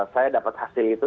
saya dapat hasil itu